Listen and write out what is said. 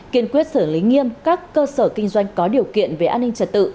kiên quyết xử lý nghiêm các cơ sở kinh doanh có điều kiện về an ninh trật tự